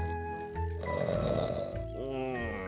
うん。